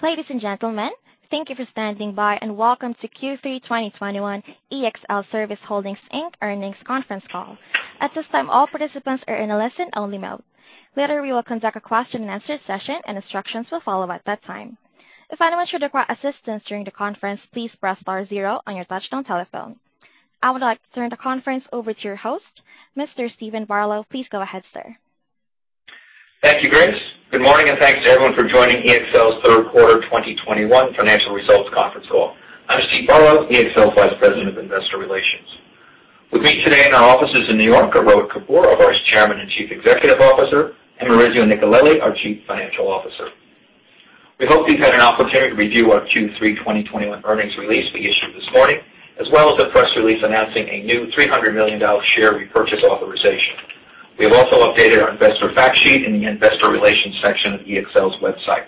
Ladies and gentlemen, thank you for standing by, and welcome to Q3 2021 ExlService Holdings, Inc. Earnings Conference Call. At this time, all participants are in a listen-only mode. Later, we will conduct a question-and-answer session, and instructions will follow at that time. If anyone should require assistance during the conference, please press star zero on your touchtone telephone. I would like to turn the conference over to your host, Mr. Steven Barlow. Please go ahead, sir. Thank you, Grace. Good morning, and thanks to everyone for joining EXL's third quarter 2021 financial results conference call. I'm Steven Barlow, EXL Vice President of Investor Relations. With me today in our offices in New York are Rohit Kapoor, our Vice Chairman and Chief Executive Officer, and Maurizio Nicolelli, our Chief Financial Officer. We hope you've had an opportunity to review our Q3 2021 earnings release we issued this morning, as well as the press release announcing a new $300 million share repurchase authorization. We have also updated our investor fact sheet in the investor relations section of EXL's website.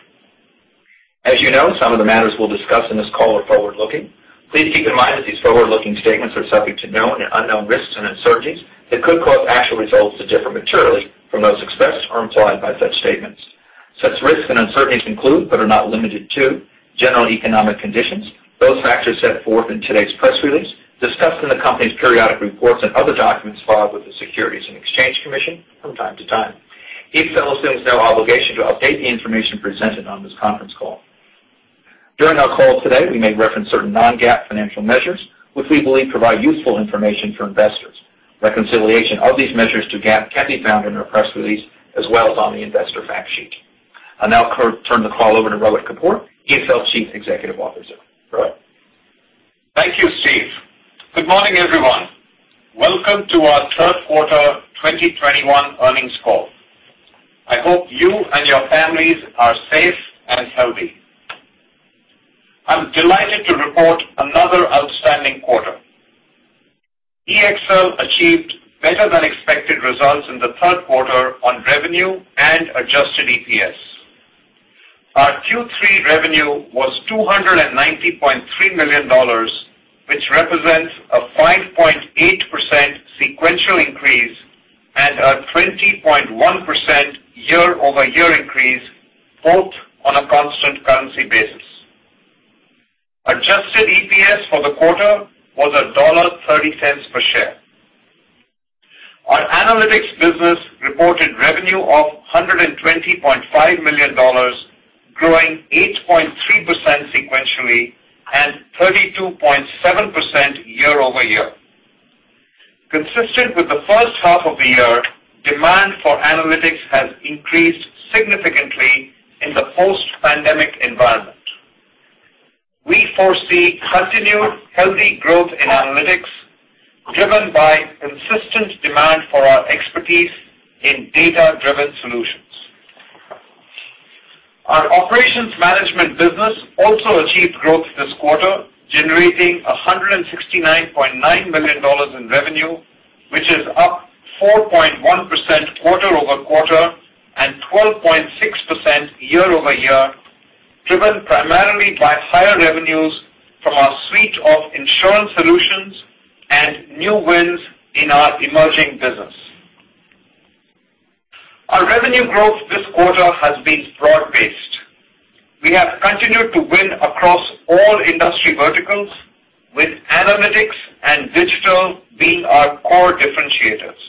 As you know, some of the matters we'll discuss in this call are forward-looking. Please keep in mind that these forward-looking statements are subject to known and unknown risks and uncertainties that could cause actual results to differ materially from those expressed or implied by such statements. Such risks and uncertainties include, but are not limited to general economic conditions. Those factors set forth in today's press release, discussed in the company's periodic reports and other documents filed with the Securities and Exchange Commission from time to time. EXL assumes no obligation to update the information presented on this conference call. During our call today, we may reference certain non-GAAP financial measures which we believe provide useful information for investors. Reconciliation of these measures to GAAP can be found in our press release as well as on the investor fact sheet. I'll now turn the call over to Rohit Kapoor, EXL Chief Executive Officer. Rohit. Thank you, Steve. Good morning, everyone. Welcome to our third quarter 2021 earnings call. I hope you and your families are safe and healthy. I'm delighted to report another outstanding quarter. EXL achieved better than expected results in the third quarter on revenue and adjusted EPS. Our Q3 revenue was $290.3 million, which represents a 5.8% sequential increase and a 20.1% year-over-year increase, both on a constant currency basis. Adjusted EPS for the quarter was $1.30 per share. Our analytics business reported revenue of $120.5 million, growing 8.3% sequentially and 32.7% year-over-year. Consistent with the first half of the year, demand for analytics has increased significantly in the post-pandemic environment. We foresee continued healthy growth in analytics driven by consistent demand for our expertise in data-driven solutions. Our operations management business also achieved growth this quarter, generating $169.9 million in revenue, which is up 4.1% quarter-over-quarter and 12.6% year-over-year, driven primarily by higher revenues from our suite of insurance solutions and new wins in our emerging business. Our revenue growth this quarter has been broad-based. We have continued to win across all industry verticals, with analytics and digital being our core differentiators.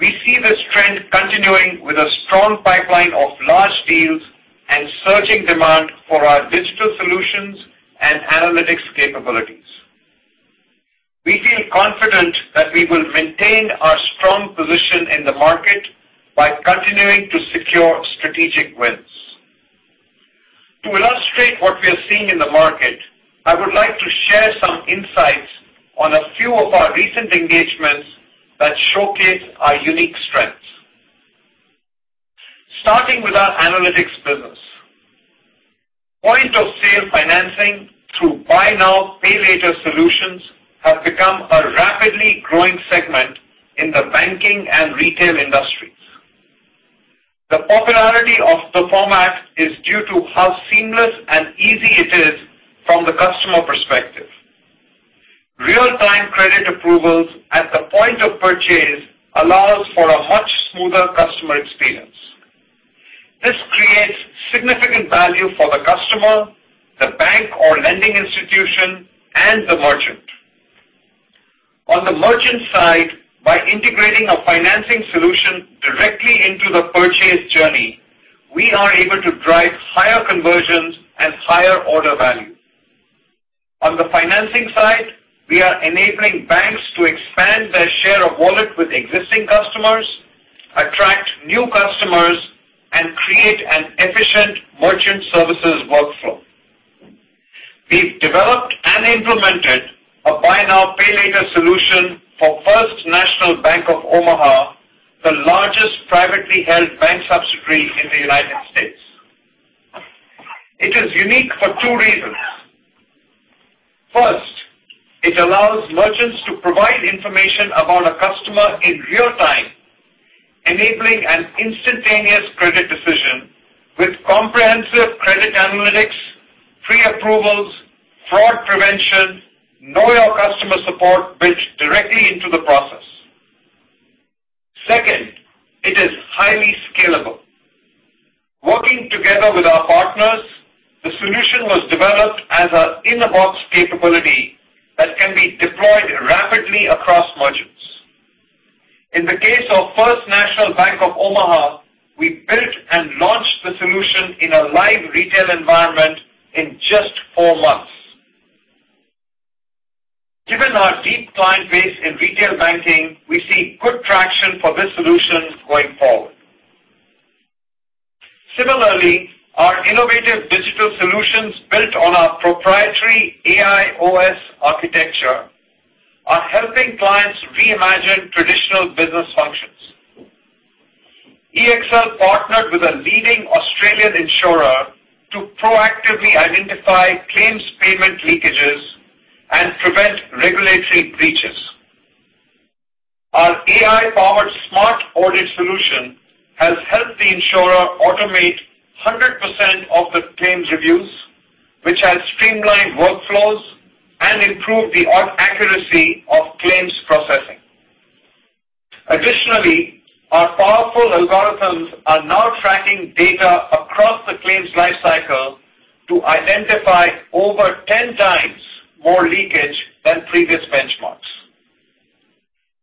We see this trend continuing with a strong pipeline of large deals and surging demand for our digital solutions and analytics capabilities. We feel confident that we will maintain our strong position in the market by continuing to secure strategic wins. To illustrate what we are seeing in the market, I would like to share some insights on a few of our recent engagements that showcase our unique strengths. Starting with our analytics business. Point-of-sale financing through buy now, pay later solutions have become a rapidly growing segment in the banking and retail industries. The popularity of the format is due to how seamless and easy it is from the customer perspective. Real-time credit approvals at the point of purchase allows for a much smoother customer experience. This creates significant value for the customer, the bank or lending institution, and the merchant. On the merchant side, by integrating a financing solution directly into the purchase journey, we are able to drive higher conversions and higher order value. On the financing side, we are enabling banks to expand their share of wallet with existing customers, attract new customers, and create an efficient merchant services workflow. We've developed and implemented a buy now, pay later solution for First National Bank of Omaha, the largest privately held bank subsidiary in the United States. It is unique for two reasons. First, it allows merchants to provide information about a customer in real time, enabling an instantaneous credit decision with comprehensive credit analytics, pre-approval support built directly into the process. Second, it is highly scalable. Working together with our partners, the solution was developed as an in-the-box capability that can be deployed rapidly across modules. In the case of First National Bank of Omaha, we built and launched the solution in a live retail environment in just four months. Given our deep client base in retail banking, we see good traction for this solution going forward. Similarly, our innovative digital solutions built on our proprietary AI OS architecture are helping clients reimagine traditional business functions. EXL partnered with a leading Australian insurer to proactively identify claims payment leakages and prevent regulatory breaches. Our AI-powered Smart Audit solution has helped the insurer automate 100% of the claims reviews, which has streamlined workflows and improved the accuracy of claims processing. Additionally, our powerful algorithms are now tracking data across the claims life cycle to identify over 10 times more leakage than previous benchmarks.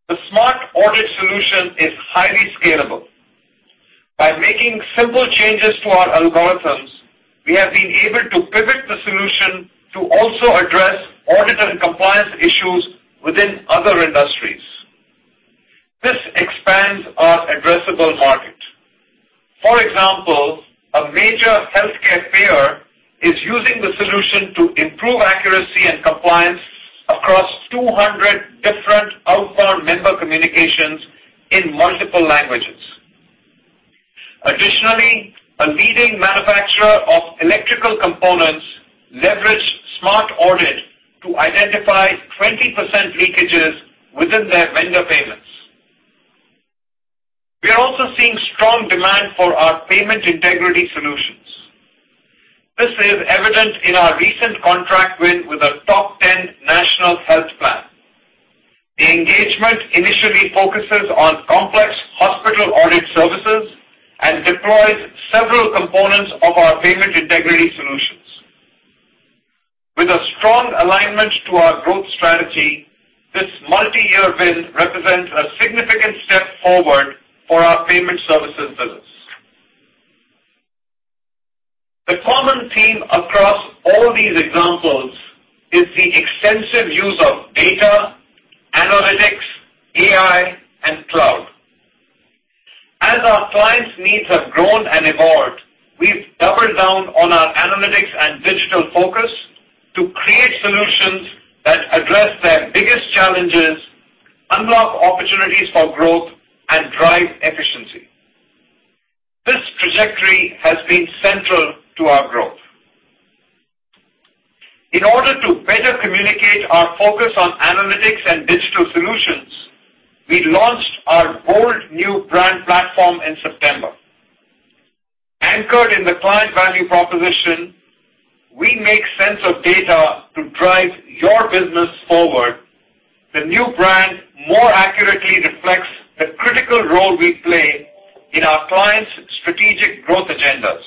The Smart Audit solution is highly scalable. By making simple changes to our algorithms, we have been able to pivot the solution to also address audit and compliance issues within other industries. This expands our addressable market. For example, a major healthcare payer is using the solution to improve accuracy and compliance across 200 different outbound member communications in multiple languages. Additionally, a leading manufacturer of electrical components leveraged Smart Audit to identify 20% leakages within their vendor payments. We are also seeing strong demand for our payment integrity solutions. This is evident in our recent contract win with a top ten national health plan. The engagement initially focuses on complex hospital audit services and deploys several components of our payment integrity solutions. With a strong alignment to our growth strategy, this multi-year win represents a significant step forward for our payment services business. The common theme across all these examples is the extensive use of data, analytics, AI, and cloud. As our clients' needs have grown and evolved, we've doubled down on our analytics and digital focus to create solutions that address their biggest challenges, unlock opportunities for growth, and drive efficiency. This trajectory has been central to our growth. In order to better communicate our focus on analytics and digital solutions, we launched our bold new brand platform in September. Anchored in the client value proposition, we make sense of data to drive your business forward. The new brand more accurately reflects the critical role we play in our clients' strategic growth agendas.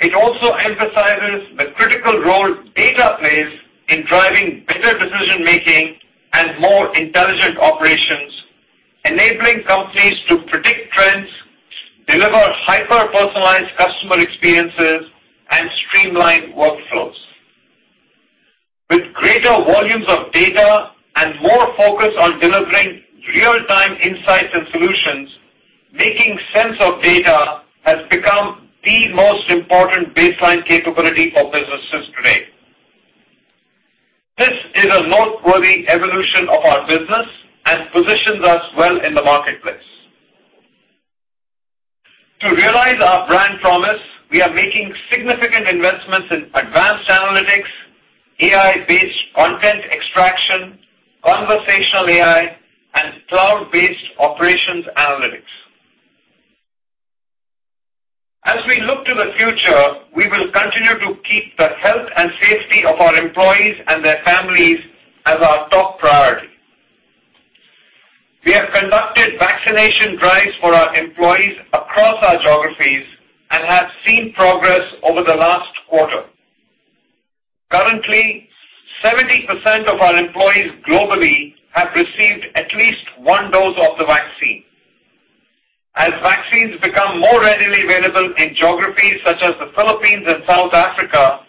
It also emphasizes the critical role data plays in driving better decision-making and more intelligent operations, enabling companies to predict trends, deliver hyper-personalized customer experiences, and streamline workflows. With greater volumes of data and more focus on delivering real-time insights and solutions, making sense of data has become the most important baseline capability for businesses today. This is a noteworthy evolution of our business and positions us well in the marketplace. To realize our brand promise, we are making significant investments in advanced analytics, AI-based content extraction, conversational AI, and cloud-based operations analytics. As we look to the future, we will continue to keep the health and safety of our employees and their families as our top priority. We have conducted vaccination drives for our employees across our geographies and have seen progress over the last quarter. Currently, 70% of our employees globally have received at least one dose of the vaccine. As vaccines become more readily available in geographies such as the Philippines and South Africa,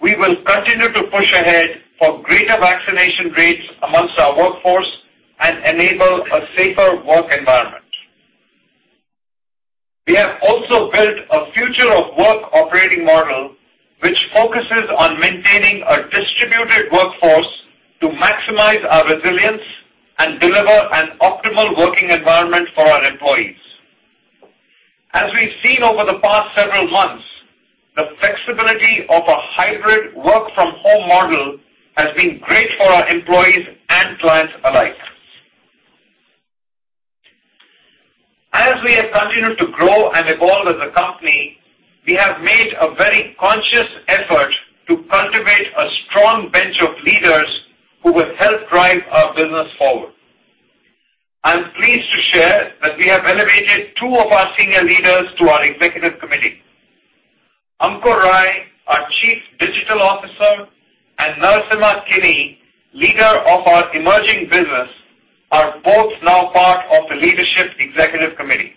we will continue to push ahead for greater vaccination rates amongst our workforce and enable a safer work environment. We have also built a future of work operating model which focuses on maintaining a distributed workforce to maximize our resilience and deliver an optimal working environment for our employees. As we've seen over the past several months, the flexibility of a hybrid work from home model has been great for our employees. Evolved as a company, we have made a very conscious effort to cultivate a strong bench of leaders who will help drive our business forward. I'm pleased to share that we have elevated two of our senior leaders to our executive committee. Ankur Rai, our Chief Digital Officer, and Narasimha Kini, leader of our emerging business, are both now part of the leadership executive committee.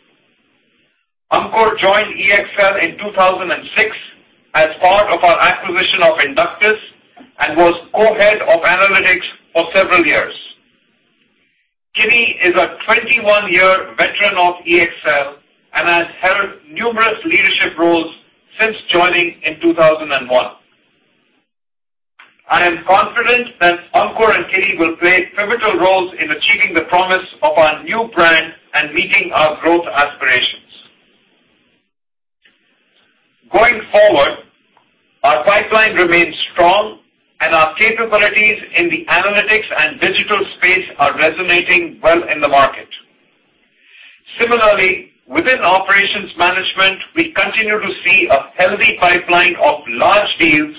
Ankur joined EXL in 2006 as part of our acquisition of Inductis and was co-head of analytics for several years. Kini is a 21-year veteran of EXL and has held numerous leadership roles since joining in 2001. I am confident that Ankur and Kini will play pivotal roles in achieving the promise of our new brand and meeting our growth aspirations. Going forward, our pipeline remains strong, and our capabilities in the analytics and digital space are resonating well in the market. Similarly, within operations management, we continue to see a healthy pipeline of large deals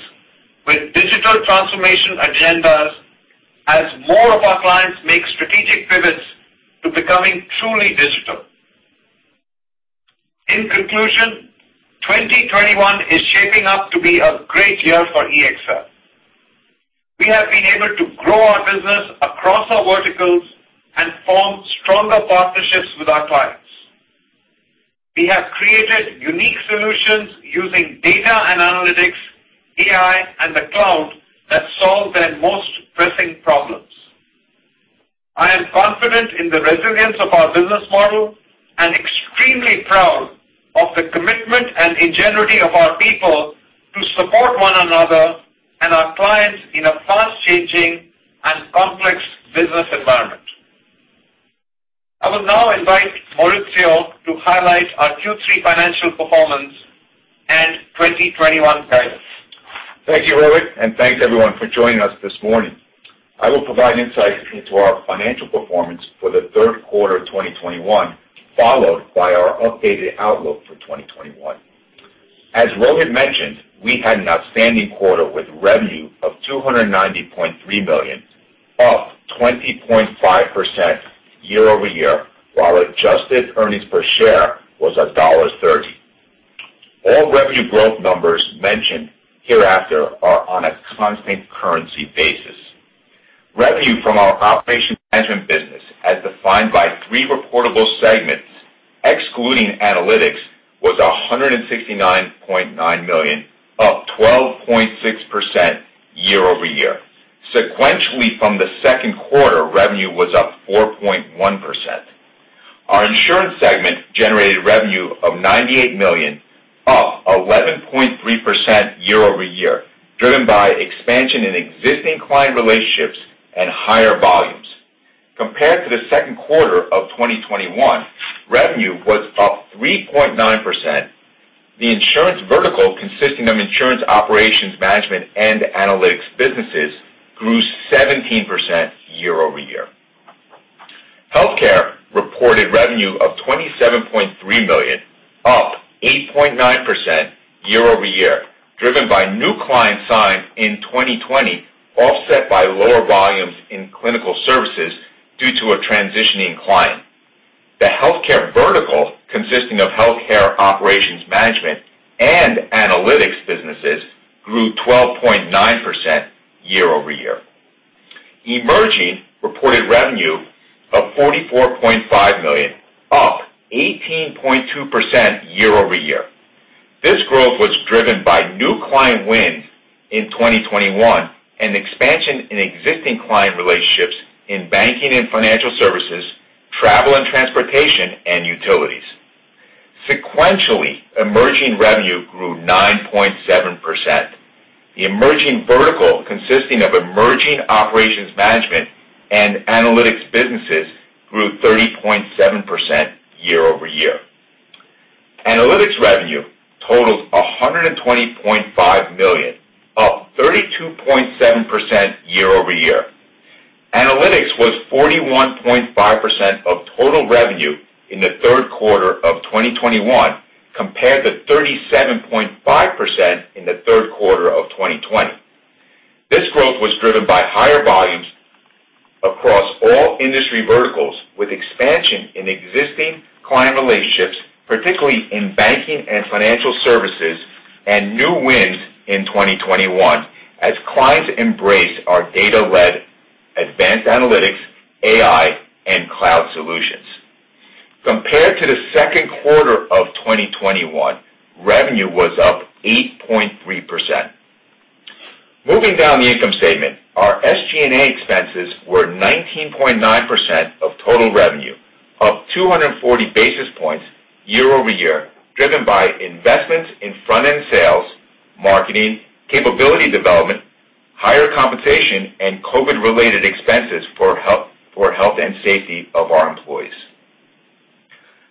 with digital transformation agendas as more of our clients make strategic pivots to becoming truly digital. In conclusion, 2021 is shaping up to be a great year for EXL. We have been able to grow our business across our verticals and form stronger partnerships with our clients. We have created unique solutions using data and analytics, AI, and the cloud that solve their most pressing problems. I am confident in the resilience of our business model and extremely proud of the commitment and ingenuity of our people to support one another and our clients in a fast-changing and complex business environment. I will now invite Maurizio to highlight our Q3 financial performance and 2021 guidance. Thank you, Rohit, and thanks everyone for joining us this morning. I will provide insight into our financial performance for the third quarter of 2021, followed by our updated outlook for 2021. As Rohit mentioned, we had an outstanding quarter with revenue of $290.3 million, up 20.5% year-over-year, while adjusted earnings per share was $1.30. All revenue growth numbers mentioned hereafter are on a constant currency basis. Revenue from our operations management business, as defined by three reportable segments excluding analytics, was $169.9 million, up 12.6% year-over-year. Sequentially from the second quarter, revenue was up 4.1%. Our insurance segment generated revenue of $98 million, up 11.3% year-over-year, driven by expansion in existing client relationships and higher volumes. Compared to the second quarter of 2021, revenue was up 3.9%. The insurance vertical, consisting of insurance operations management and analytics businesses, grew 17% year-over-year. Healthcare reported revenue of $27.3 million, up 8.9% year-over-year, driven by new clients signed in 2020, offset by lower volumes in clinical services due to a transitioning client. The healthcare vertical, consisting of healthcare operations management and analytics businesses, grew 12.9% year-over-year. Emerging reported revenue of $44.5 million, up 18.2% year-over-year. This growth was driven by new client wins in 2021 and expansion in existing client relationships in banking and financial services, travel and transportation, and utilities. Sequentially, Emerging revenue grew 9.7%. The emerging vertical, consisting of emerging operations management and analytics businesses, grew 30.7% year-over-year. Analytics revenue totaled $120.5 million, up 32.7% year-over-year. Analytics was 41.5% of total revenue in the third quarter of 2021, compared to 37.5% in the third quarter of 2020. This growth was driven by higher volumes across all industry verticals, with expansion in existing client relationships, particularly in banking and financial services, and new wins in 2021 as clients embrace our data-led advanced analytics, AI, and cloud solutions. Compared to the second quarter of 2021, revenue was up 8.3%. Moving down the income statement, our SG&A expenses were 19.9% of total revenue, up 240 basis points year-over-year, driven by investments in front-end sales, marketing, capability development, higher compensation, and COVID-related expenses for health and safety of our employees.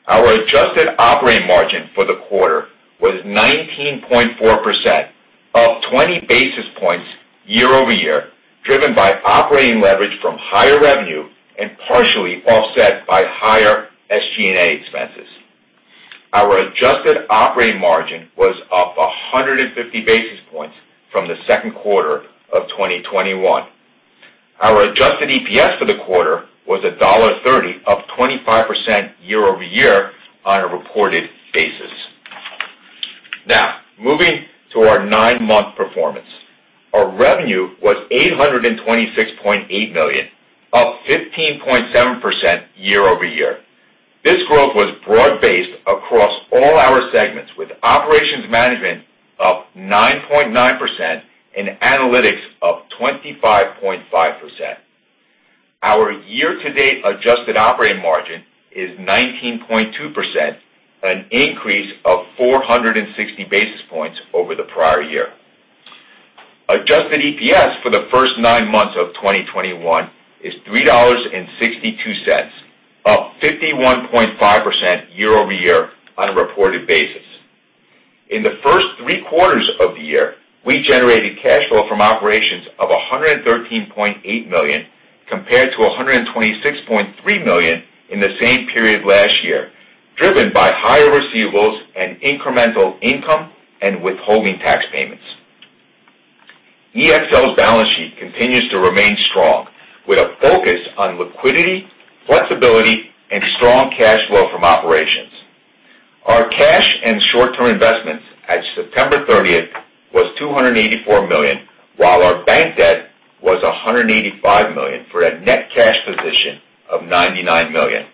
Our adjusted operating margin for the quarter was 19.4%. Up 20 basis points year-over-year, driven by operating leverage from higher revenue and partially offset by higher SG&A expenses. Our adjusted operating margin was up 150 basis points from the second quarter of 2021. Our adjusted EPS for the quarter was $1.30, up 25% year-over-year on a reported basis. Now, moving to our nine-month performance. Our revenue was $826.8 million, up 15.7% year-over-year. This growth was broad-based across all our segments, with operations management up 9.9% and analytics up 25.5%. Our year-to-date adjusted operating margin is 19.2%, an increase of 460 basis points over the prior year. Adjusted EPS for the first nine months of 2021 is $3.62, up 51.5% year-over-year on a reported basis. In the first three quarters of the year, we generated cash flow from operations of $113.8 million compared to $126.3 million in the same period last year, driven by higher receivables and incremental income and withholding tax payments. EXL's balance sheet continues to remain strong with a focus on liquidity, flexibility, and strong cash flow from operations. Our cash and short-term investments as of September thirtieth was $284 million, while our bank debt was $185 million, for a net cash position of $99 million.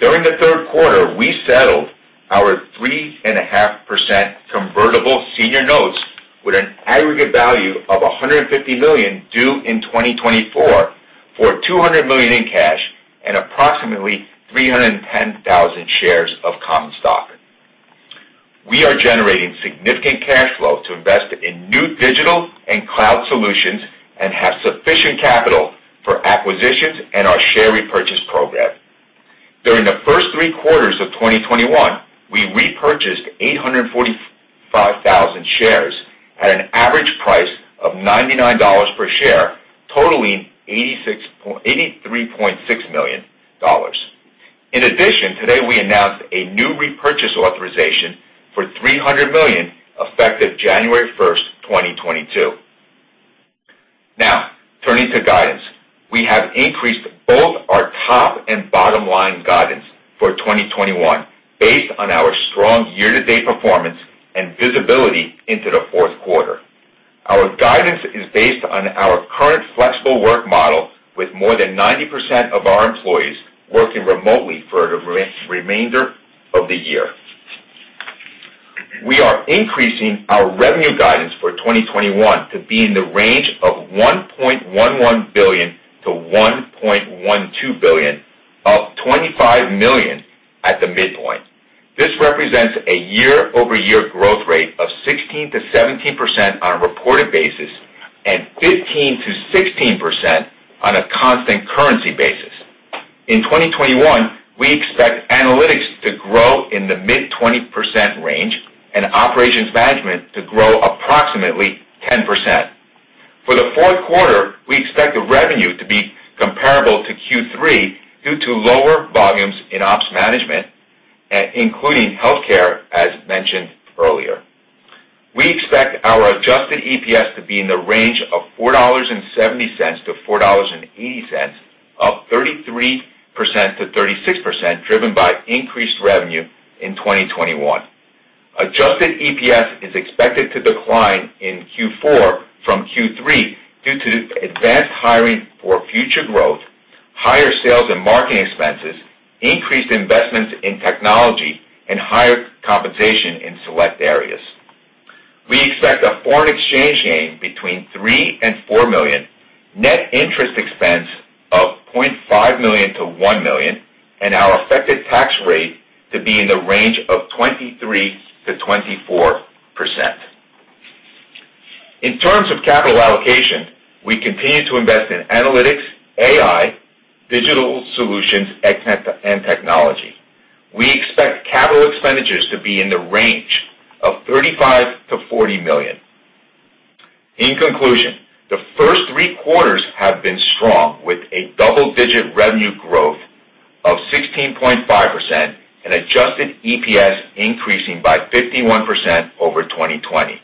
During the third quarter, we settled our 3.5% convertible senior notes with an aggregate value of $150 million due in 2024 for $200 million in cash and approximately 310,000 shares of common stock. We are generating significant cash flow to invest in new digital and cloud solutions and have sufficient capital for acquisitions and our share repurchase program. During the first three quarters of 2021, we repurchased 845,000 shares at an average price of $99 per share, totaling $83.6 million. In addition, today, we announced a new repurchase authorization for $300 million, effective January 1, 2022. Now, turning to guidance. We have increased both our top and bottom-line guidance for 2021 based on our strong year-to-date performance and visibility into the fourth quarter. Our guidance is based on our current flexible work model, with more than 90% of our employees working remotely for the remainder of the year. We are increasing our revenue guidance for 2021 to be in the range of $1.11 billion-$1.12 billion, up $25 million at the midpoint. This represents a year-over-year growth rate of 16%-17% on a reported basis and 15%-16% on a constant currency basis. In 2021, we expect analytics to grow in the mid-20% range and operations management to grow approximately 10%. For the fourth quarter, we expect the revenue to be comparable to Q3 due to lower volumes in ops management, including healthcare, as mentioned earlier. We expect our adjusted EPS to be in the range of $4.70-$4.80, up 33%-36%, driven by increased revenue in 2021. Adjusted EPS is expected to decline in Q4 from Q3 due to advanced hiring for future growth, higher sales and marketing expenses, increased investments in technology, and higher compensation in select areas. We expect a foreign exchange gain between $3 million-$4 million, net interest expense of $0.5 million-$1 million, and our effective tax rate to be in the range of 23%-24%. In terms of capital allocation, we continue to invest in analytics, AI, digital solutions, and tech, and technology. We expect capital expenditures to be in the range of $35 million-$40 million. In conclusion, the first three quarters have been strong, with a double-digit revenue growth of 16.5% and adjusted EPS increasing by 51% over 2020.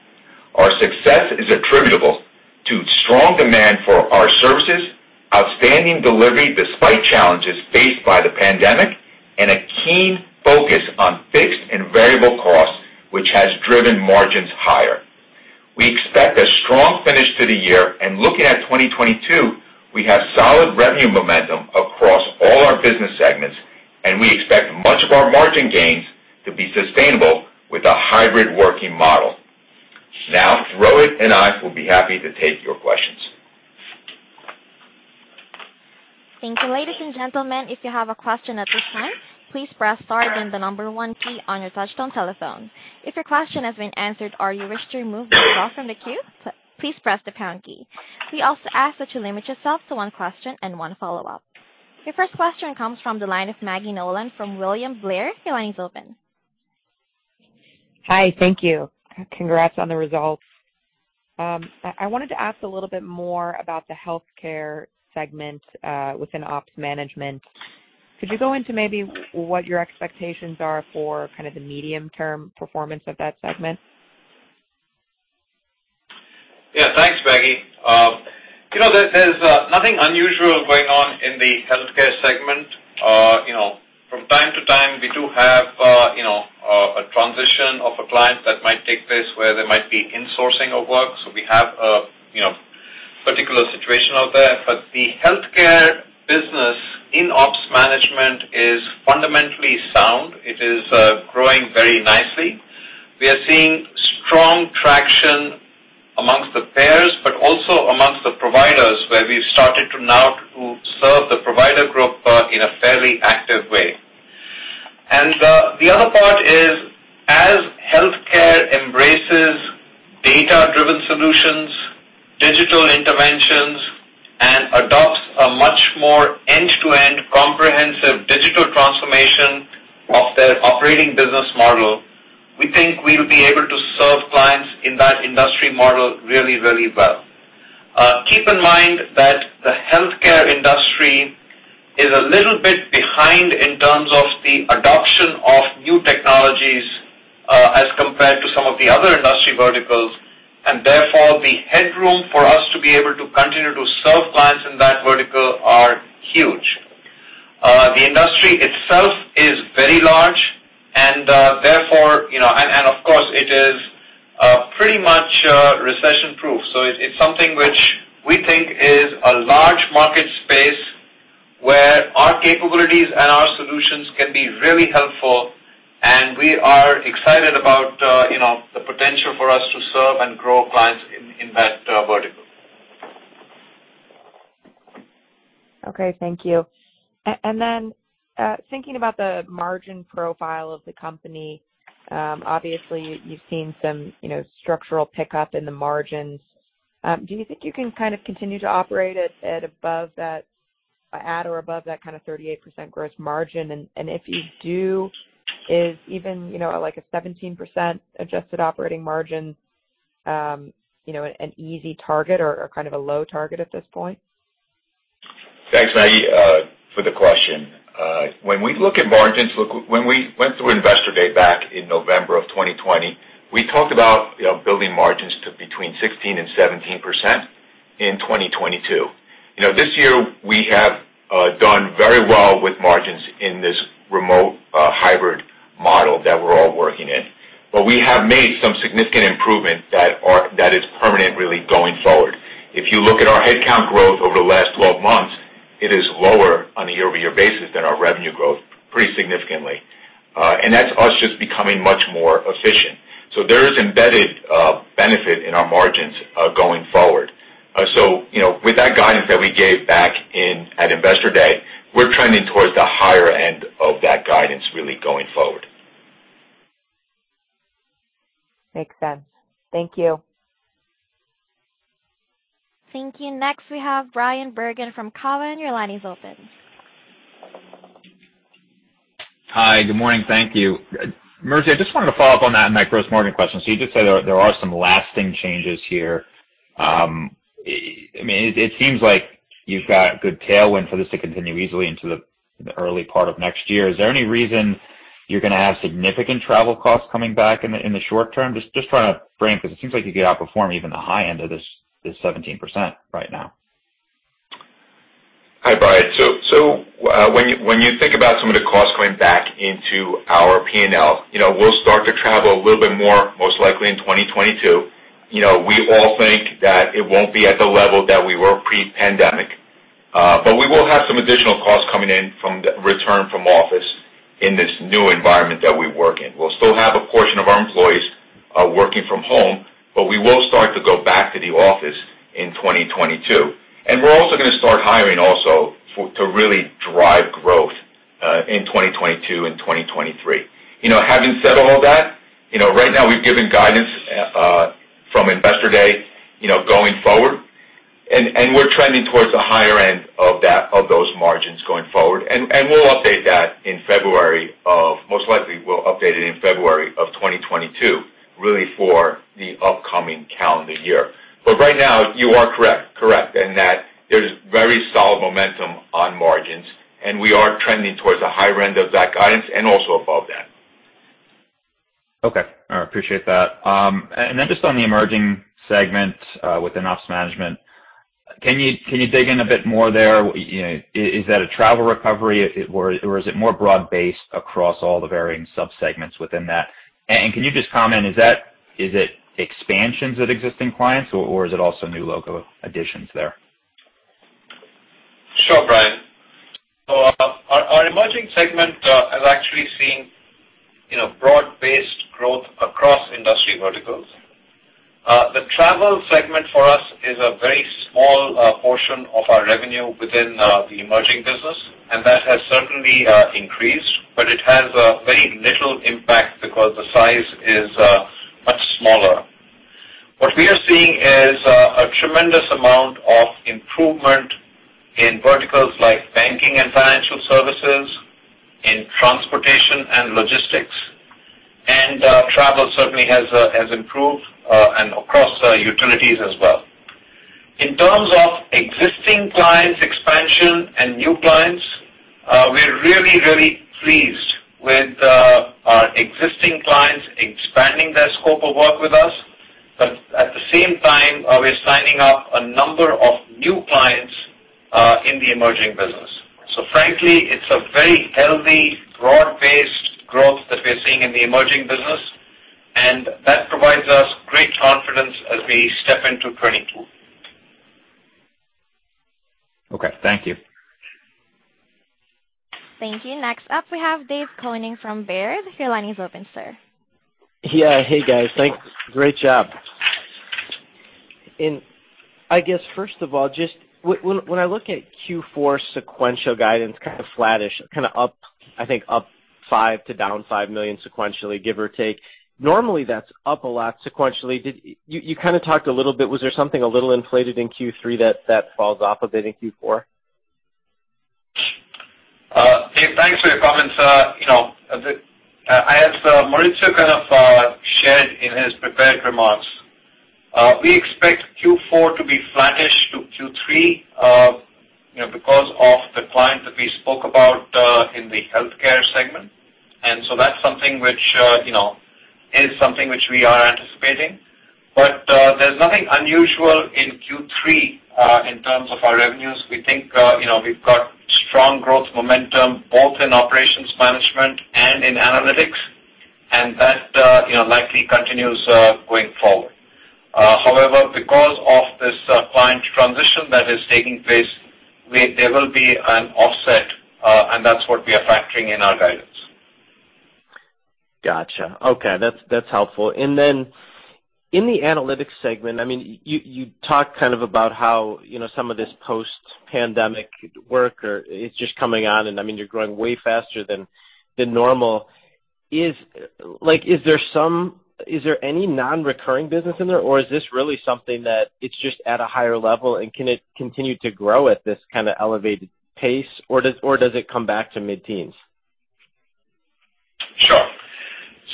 Our success is attributable to strong demand for our services, outstanding delivery despite challenges faced by the pandemic, and a keen focus on fixed and variable costs, which has driven margins higher. We expect a strong finish to the year. Looking at 2022, we have solid revenue momentum across all our business segments, and we expect much of our margin gains to be sustainable with a hybrid working model. Now Rohit and I will be happy to take your questions. Thank you. Ladies and gentlemen, if you have a question at this time, please press star then the 1 key on your touchtone telephone. If your question has been answered or you wish to remove yourself from the queue, please press the pound key. We also ask that you limit yourself to 1 question and 1 follow-up. Your first question comes from the line of Maggie Nolan from William Blair. Your line is open. Hi. Thank you. Congrats on the results. I wanted to ask a little bit more about the healthcare segment within ops management. Could you go into maybe what your expectations are for kind of the medium-term performance of that segment? Yeah. Thanks, Maggie. You know, there's nothing unusual going on in the healthcare segment. You know, from time to time, we do have you know, a transition of a client that might take place where they might be insourcing of work. We have you know, particular situation out there. The healthcare business in ops management is fundamentally sound. It is growing very nicely. We are seeing strong traction among the payers, but also among the providers, where we've started to now serve the provider group in a fairly active way. The other part is, as healthcare embraces data-driven solutions, digital interventions, and adopts a much more end-to-end comprehensive digital transformation of their operating business model, we think we'll be able to serve clients in that industry model really, really well. Keep in mind that the healthcare industry is a little bit behind in terms of the adoption of new technologies, as compared to some of the other industry verticals, and therefore, the headroom for us to be able to continue to serve clients in that vertical are huge. The industry itself is very large and, therefore, you know, of course, it is pretty much recession-proof. It's something which we think is a large market space where our capabilities and our solutions can be really helpful, and we are excited about, you know, the potential for us to serve and grow clients in that vertical. Okay. Thank you. Then, thinking about the margin profile of the company, obviously you've seen some, you know, structural pickup in the margins. Do you think you can kind of continue to operate at or above that kind of 38% gross margin? If you do, is even, you know, like a 17% adjusted operating margin, you know, an easy target or kind of a low target at this point? Thanks, Maggie, for the question. When we look at margins, look, when we went through Investor Day back in November of 2020, we talked about, you know, building margins to between 16% and 17% in 2022. You know, this year we have done very well with margins in this remote hybrid model that we're all working in. We have made some significant improvement that is permanent really going forward. If you look at our headcount growth over the last 12 months, it is lower on a year-over-year basis than our revenue growth pretty significantly. And that's us just becoming much more efficient. There is embedded benefit in our margins going forward. You know, with that guidance that we gave back in at Investor Day, we're trending towards the higher end of that guidance really going forward. Makes sense. Thank you. Thank you. Next, we have Bryan Bergin from Cowen. Your line is open. Hi. Good morning. Thank you. Maurizio Nicolelli, I just wanted to follow up on that net gross margin question. You just said there are some lasting changes here. I mean, it seems like you've got good tailwind for this to continue easily into the early part of next year. Is there any reason you're gonna have significant travel costs coming back in the short term? Just trying to frame, 'cause it seems like you could outperform even the high end of this 17% right now. Hi, Bryan. When you think about some of the costs going back into our P&L, you know, we'll start to travel a little bit more, most likely in 2022. You know, we all think that it won't be at the level that we were pre-pandemic. But we will have some additional costs coming in from the return to office in this new environment that we work in. We'll still have a portion of our employees working from home, but we will start to go back to the office in 2022. We're also gonna start hiring also to really drive growth in 2022 and 2023. You know, having said all that, you know, right now we've given guidance from Investor Day, you know, going forward, and we're trending towards the higher end of that, of those margins going forward. We'll update that, most likely, in February of 2022, really for the upcoming calendar year. Right now, you are correct in that there's very solid momentum on margins, and we are trending towards the higher end of that guidance and also above that. Okay. I appreciate that. Just on the emerging segment within ops management, can you dig in a bit more there? You know, is that a travel recovery or is it more broad-based across all the varying subsegments within that? Can you just comment, is it expansions of existing clients or is it also new logo additions there? Sure, Brian. Our emerging segment has actually seen, you know, broad-based growth across industry verticals. The travel segment for us is a very small portion of our revenue within the emerging business, and that has certainly increased, but it has a very little impact because the size is much smaller. A tremendous amount of improvement in verticals like banking and financial services, in transportation and logistics, and travel certainly has improved and across utilities as well. In terms of existing clients expansion and new clients, we're really pleased with our existing clients expanding their scope of work with us. At the same time, we're signing up a number of new clients in the emerging business. Frankly, it's a very healthy, broad-based growth that we're seeing in the emerging business, and that provides us great confidence as we step into 2022. Okay. Thank you. Thank you. Next up we have David Koning from Baird. Your line is open, sir. Great job. I guess first of all, just when I look at Q4 sequential guidance, kind of flattish kind of up, I think +$5 million to -$5 million sequentially, give or take. Normally, that's up a lot sequentially. You kinda talked a little bit. Was there something a little inflated in Q3 that falls off a bit in Q4? Dave, thanks for your comments. You know, as Maurizio kind of shared in his prepared remarks, we expect Q4 to be flattish to Q3, you know, because of the client that we spoke about in the healthcare segment. That's something which we are anticipating. There's nothing unusual in Q3 in terms of our revenues. We think, you know, we've got strong growth momentum both in operations management and in analytics, and that, you know, likely continues going forward. However, because of this client transition that is taking place, there will be an offset, and that's what we are factoring in our guidance. Gotcha. Okay. That's helpful. Then in the analytics segment, I mean, you talked kind of about how, you know, some of this post-pandemic work or it's just coming on, and I mean you're growing way faster than normal. Like, is there any non-recurring business in there, or is this really something that it's just at a higher level, and can it continue to grow at this kinda elevated pace, or does it come back to mid-teens? Sure.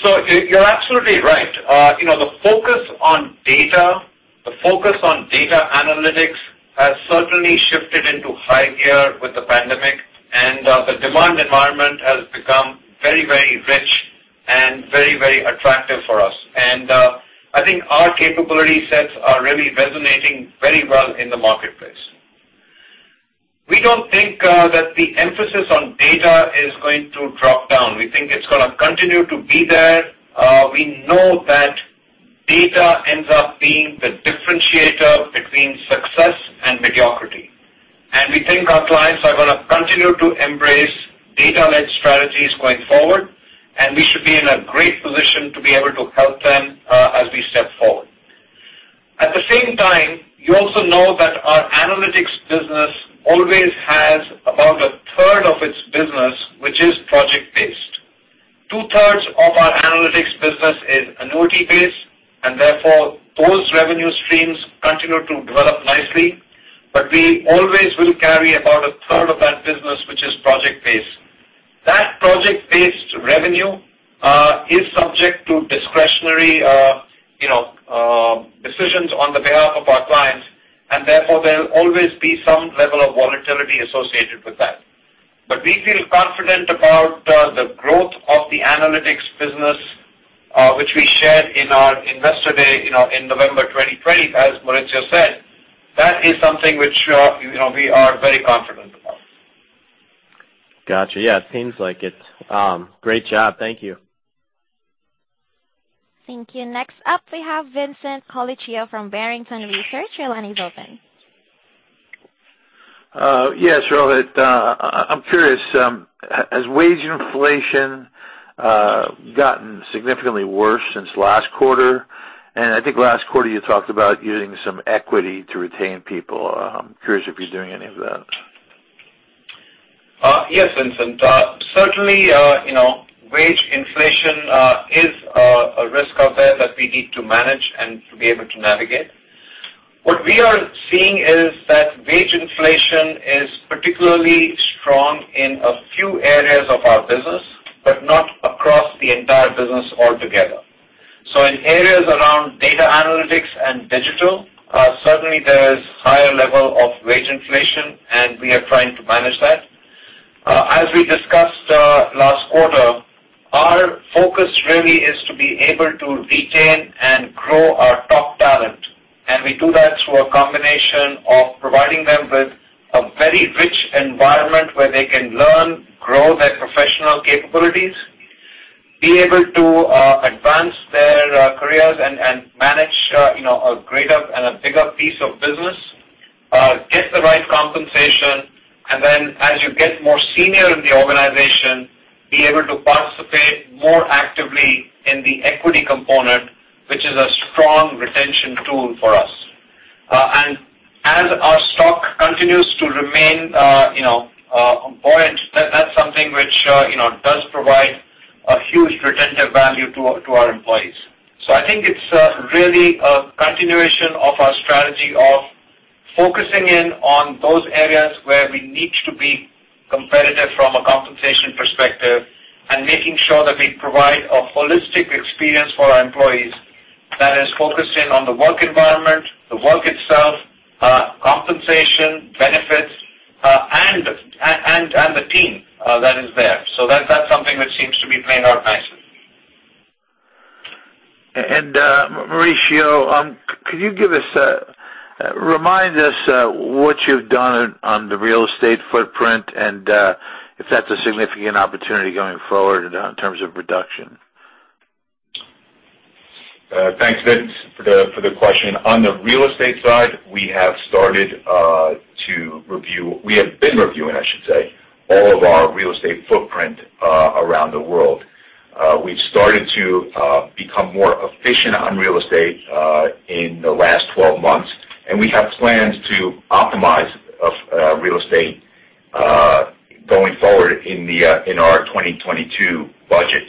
You're absolutely right. You know, the focus on data, the focus on data analytics has certainly shifted into high gear with the pandemic. The demand environment has become very, very rich and very, very attractive for us. I think our capability sets are really resonating very well in the marketplace. We don't think that the emphasis on data is going to drop down. We think it's gonna continue to be there. We know that data ends up being the differentiator between success and mediocrity. We think our clients are gonna continue to embrace data-led strategies going forward, and we should be in a great position to be able to help them as we step forward. At the same time, you also know that our analytics business always has about a third of its business which is project-based. Two-thirds of our analytics business is annuity-based, and therefore, those revenue streams continue to develop nicely. We always will carry about a third of that business, which is project-based. That project-based revenue is subject to discretionary, you know, decisions on behalf of our clients, and therefore there'll always be some level of volatility associated with that. We feel confident about the growth of the analytics business, which we shared in our Investor Day, you know, in November 2020, as Maurizio said. That is something which, you know, we are very confident about. Gotcha. Yeah. It seems like it. Great job. Thank you. Thank you. Next up, we have Vincent Colicchio from Barrington Research. Your line is open. Yes, Rohit. I'm curious, has wage inflation gotten significantly worse since last quarter? I think last quarter you talked about using some equity to retain people. I'm curious if you're doing any of that. Yes, Vincent. Certainly, you know, wage inflation is a risk out there that we need to manage and to be able to navigate. What we are seeing is that wage inflation is particularly strong in a few areas of our business but not across the entire business altogether. In areas around data analytics and digital, certainly there is higher level of wage inflation, and we are trying to manage that. As we discussed last quarter, our focus really is to be able to retain and grow our top talent. We do that through a combination of providing them with a very rich environment where they can learn, grow their professional capabilities, be able to advance their careers and manage, you know, a greater and a bigger piece of business, get the right compensation. Then as you get more senior in the organization, be able to participate more actively in the equity component, which is a strong retention tool for us. As our stock continues to remain a retentive value to our employees. I think it's really a continuation of our strategy of focusing in on those areas where we need to be competitive from a compensation perspective and making sure that we provide a holistic experience for our employees that is focused in on the work environment, the work itself, compensation, benefits, and the team that is there. That's something which seems to be playing out nicely. Mauricio, could you remind us what you've done on the real estate footprint and if that's a significant opportunity going forward in terms of reduction? Thanks, Vince, for the question. On the real estate side, we have been reviewing all of our real estate footprint around the world. We've started to become more efficient on real estate in the last 12 months, and we have plans to optimize real estate going forward in our 2022 budget.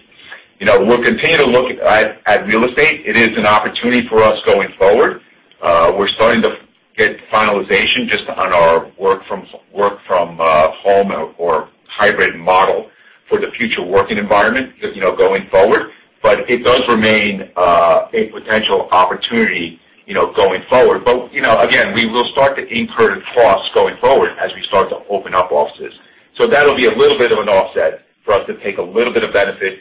You know, we'll continue to look at real estate. It is an opportunity for us going forward. We're starting to get finalization just on our work from home or hybrid model for the future working environment, you know, going forward. It does remain a potential opportunity, you know, going forward. You know, again, we will start to incur costs going forward as we start to open up offices. That'll be a little bit of an offset for us to take a little bit of benefit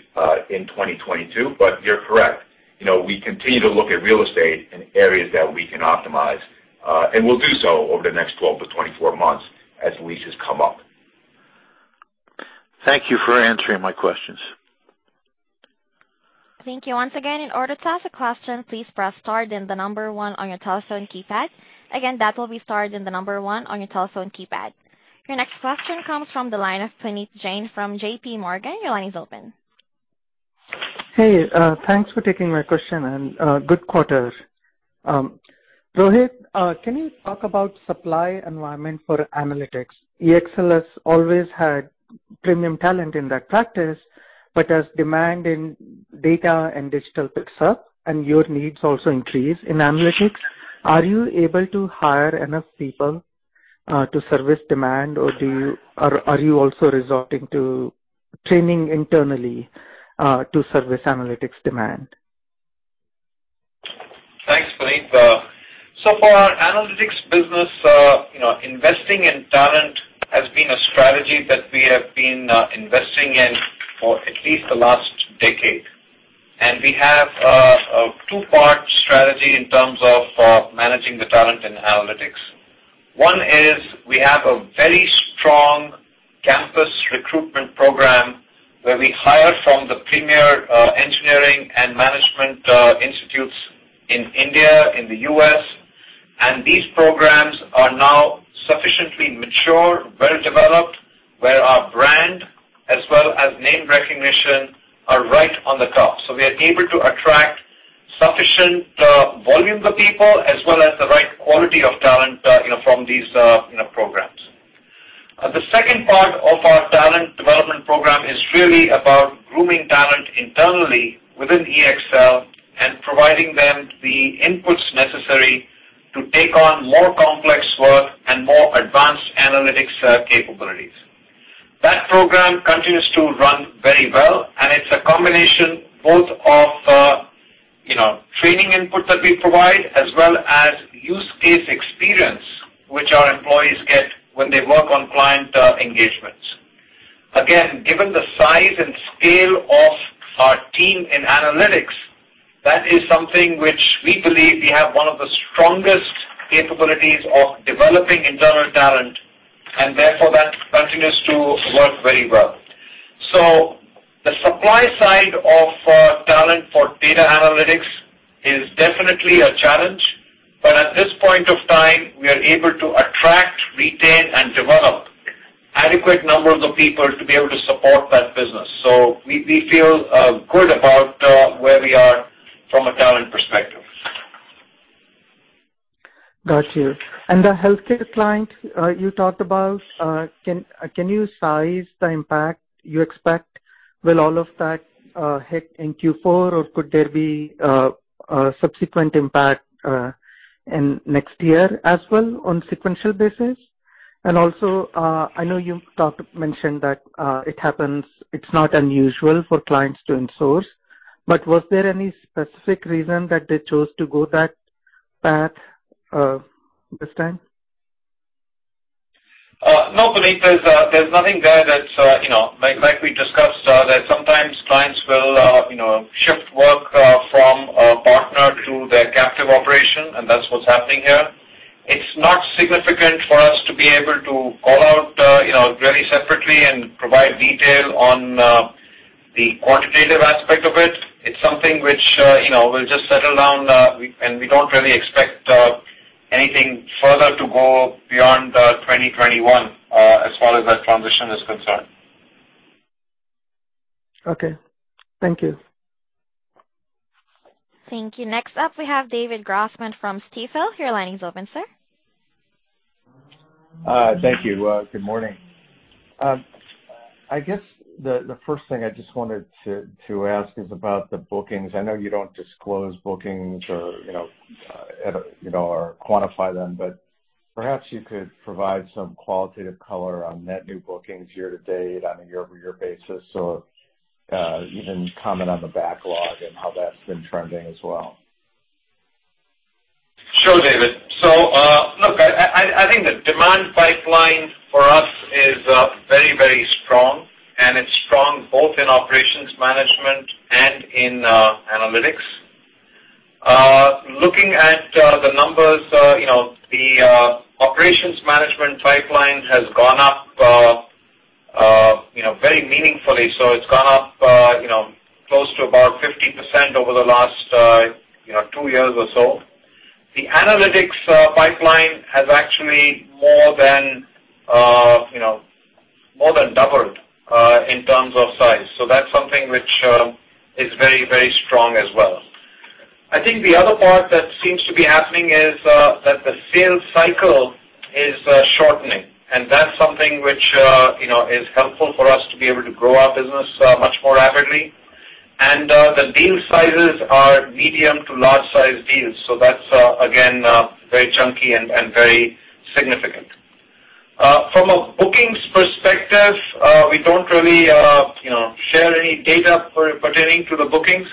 in 2022. You're correct. You know, we continue to look at real estate and areas that we can optimize, and we'll do so over the next 12-24 months as leases come up. Thank you for answering my questions. Thank you once again. In order to ask a question, please press star then the number one on your telephone keypad. Again, that will be star then the number one on your telephone keypad. Your next question comes from the line of Puneet Jain from JPMorgan. Your line is open. Hey, thanks for taking my question, and good quarter. Rohit, can you talk about supply environment for analytics? EXL has always had premium talent in that practice, but as demand in data and digital picks up and your needs also increase in analytics, are you able to hire enough people to service demand, or are you also resorting to training internally to service analytics demand? Thanks, Puneet. For our analytics business, you know, investing in talent has been a strategy that we have been investing in for at least the last decade. We have a two-part strategy in terms of managing the talent in analytics. One is we have a very strong campus recruitment program where we hire from the premier engineering and management institutes in India, in the U.S., and these programs are now sufficiently mature, well-developed, where our brand as well as name recognition are right on the top. We are able to attract sufficient volumes of people as well as the right quality of talent, you know, from these you know, programs. The second part of our talent development program is really about grooming talent internally within EXL and providing them the inputs necessary to take on more complex work and more advanced analytics, capabilities. That program continues to run very well, and it's a combination both of, you know, training input that we provide as well as use case experience, which our employees get when they work on client, engagements. Again, given the size and scale of our team in analytics, that is something which we believe we have one of the strongest capabilities of developing internal talent, and therefore that continues to work very well. The supply side of talent for data analytics is definitely a challenge. At this point of time, we are able to attract, retain, and develop adequate numbers of people to be able to support that business. We feel good about where we are from a talent perspective. Got you. The healthcare client you talked about, can you size the impact you expect? Will all of that hit in Q4, or could there be a subsequent impact in next year as well on sequential basis? Also, I know you mentioned that it happens, it's not unusual for clients to in-source. Was there any specific reason that they chose to go that path this time? No, Puneet. There's nothing there that's, you know, like we discussed, that sometimes clients will, you know, shift work from a partner to their captive operation, and that's what's happening here. It's not significant for us to be able to call out, you know, really separately and provide detail on the quantitative aspect of it. It's something which, you know, will just settle down, and we don't really expect anything further to go beyond 2021, as far as that transition is concerned. Okay. Thank you. Thank you. Next up, we have David Grossman from Stifel. Your line is open, sir. Thank you. Good morning. I guess the first thing I just wanted to ask is about the bookings. I know you don't disclose bookings or, you know, ever quantify them, but perhaps you could provide some qualitative color on net new bookings year to date on a year-over-year basis or even comment on the backlog and how that's been trending as well. Sure, David. Look, I think the demand pipeline for us is very, very strong, and it's strong both in operations management and in analytics. Looking at the numbers, you know, the operations management pipeline has gone up very meaningfully. It's gone up close to about 50% over the last two years or so. The analytics pipeline has actually more than doubled in terms of size. That's something which is very, very strong as well. I think the other part that seems to be happening is that the sales cycle is shortening, and that's something which you know is helpful for us to be able to grow our business much more rapidly. The deal sizes are medium to large size deals, so that's again very chunky and very significant. From a bookings perspective, we don't really you know share any data pertaining to the bookings,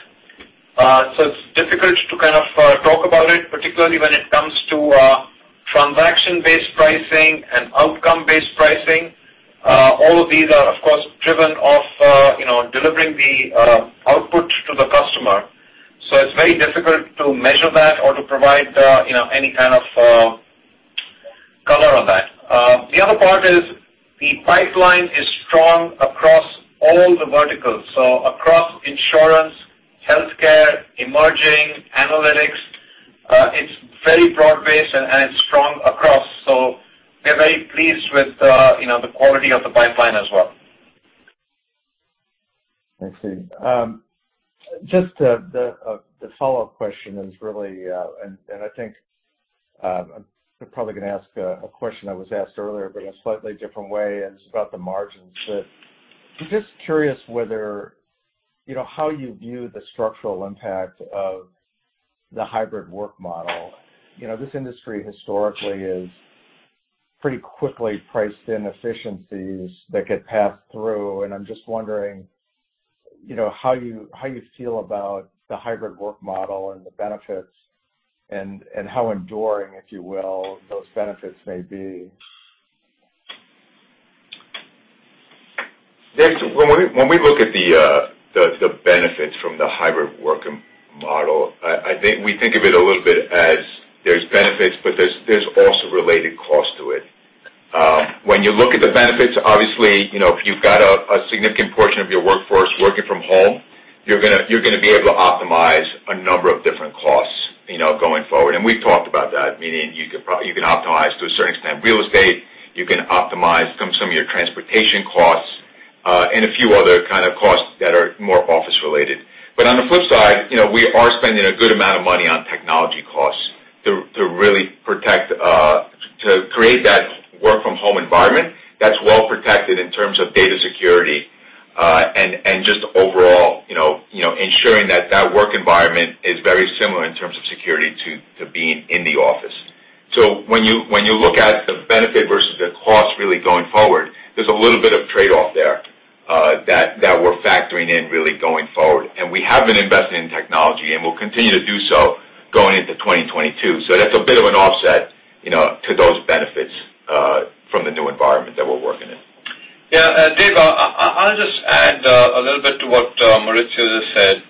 so it's difficult to kind of talk about it, particularly when it comes to transaction-based pricing and outcome-based pricing. All of these are, of course, driven by you know delivering the output to the customer. It's very difficult to measure that or to provide you know any kind of color on that. The other part is the pipeline is strong across all the verticals. Across insurance, healthcare, emerging analytics, it's very broad-based and it's strong across. We're very pleased with you know the quality of the pipeline as well. I see. Just the follow-up question is really, and I think I'm probably gonna ask a question that was asked earlier but in a slightly different way, and it's about the margins. I'm just curious whether, you know, how you view the structural impact of the hybrid work model. You know, this industry historically has pretty quickly priced in efficiencies that get passed through, and I'm just wondering, you know, how you feel about the hybrid work model and the benefits and how enduring, if you will, those benefits may be. Dave, when we look at the benefits from the hybrid working model, we think of it a little bit as there's benefits, but there's also related cost to it. When you look at the benefits, obviously, you know, if you've got a significant portion of your workforce working from home, you're gonna be able to optimize a number of different costs, you know, going forward. We've talked about that, meaning you can optimize to a certain extent real estate, you can optimize some of your transportation costs, and a few other kind of costs that are more office related. On the flip side, you know, we are spending a good amount of money on technology costs to really protect, to create that work from home environment that's well protected in terms of data security, and just overall, you know, ensuring that that work environment is very similar in terms of security to being in the office. When you look at the benefit versus the cost really going forward, there's a little bit of trade-off there that we're factoring in really going forward. We have been investing in technology, and we'll continue to do so going into 2022. That's a bit of an offset, you know, to those benefits from the new environment that we're working in. Yeah. Dave, I'll just add a little bit to what Maurizio just said.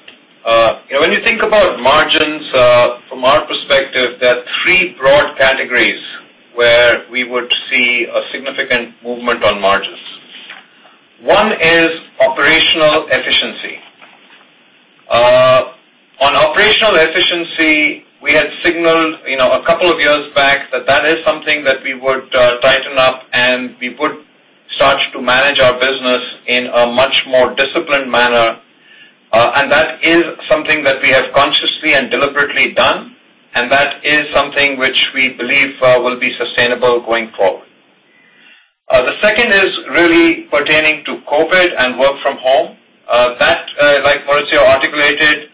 You know, when you think about margins, from our perspective, there are three broad categories where we would see a significant movement on margins. One is operational efficiency. On operational efficiency, we had signaled, you know, a couple of years back that is something that we would tighten up, and we would start to manage our business in a much more disciplined manner, and that is something that we have consciously and deliberately done, and that is something which we believe will be sustainable going forward. The second is really pertaining to COVID and work from home. That, like Maurizio articulated,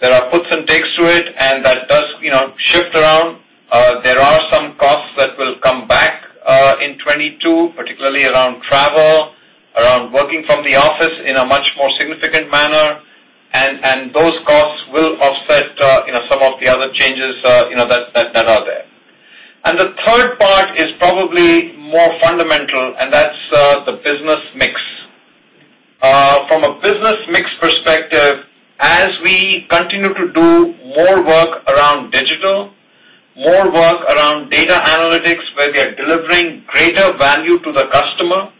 there are puts and takes to it, and that does, you know, shift around. There are some costs that will come back in 2022, particularly around travel, around working from the office in a much more significant manner, and those costs will offset, you know, some of the other changes, you know, that are there. The third part is probably more fundamental, and that's the business mix. From a business mix perspective, as we continue to do more work around digital, more work around data analytics where we are delivering greater value to the customer,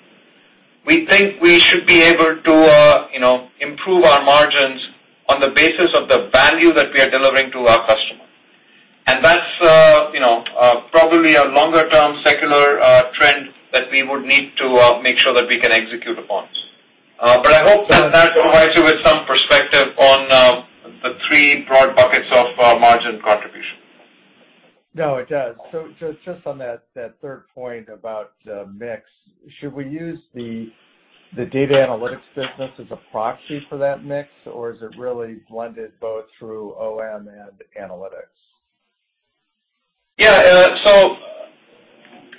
we think we should be able to, you know, improve our margins on the basis of the value that we are delivering to our customer. That's, you know, probably a longer-term secular trend that we would need to make sure that we can execute upon. I hope that provides you with some perspective on the three broad buckets of margin contribution. No, it does. Just on that third point about mix, should we use the data analytics business as a proxy for that mix, or is it really blended both through OM and analytics? Yeah.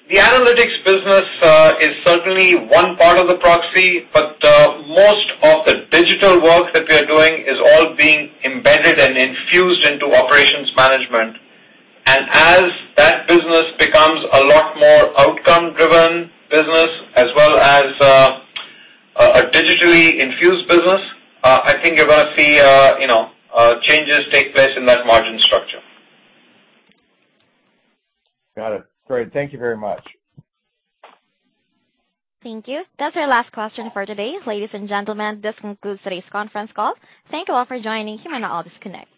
The analytics business is certainly one part of the proxy, but most of the digital work that we are doing is all being embedded and infused into operations management. As that business becomes a lot more outcome-driven business as well as a digitally infused business, I think you're gonna see, you know, changes take place in that margin structure. Got it. Great. Thank you very much. Thank you. That's our last question for today. Ladies and gentlemen, this concludes today's conference call. Thank you all for joining. You may now disconnect.